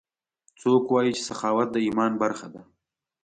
څوک وایي چې سخاوت د ایمان برخه ده